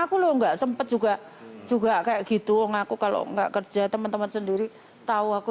aku loh enggak sempet juga juga kayak gitu ngaku kalau nggak kerja teman teman sendiri tahu aku